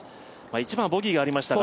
１番ボギーがありましたが。